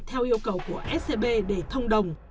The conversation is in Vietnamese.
theo yêu cầu của scb để thông đồng